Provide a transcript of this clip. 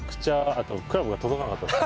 あとクラブが届かなかったです。